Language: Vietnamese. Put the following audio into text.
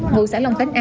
ngụ xã long khánh a